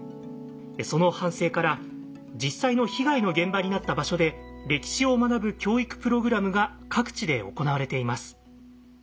その反省から実際の被害の現場になった場所で歴史を学ぶ教育プログラムが各地で行われています。